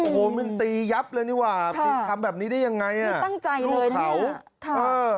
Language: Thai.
โอ้โหมันตียับเลยนี่หว่ะปีนทำแบบนี้ได้ยังไงลูกเชาะ